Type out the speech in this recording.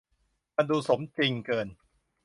มันดูสมจริงเกิน